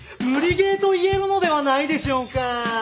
無理ゲーと言えるのではないでしょうか！